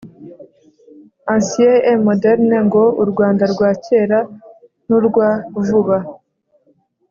ancient et moderne, ngo: u rwanda rwa cyera n’urwa vuba